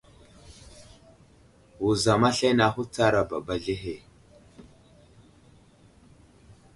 Wuzam aslane ahutsar baba azlehe.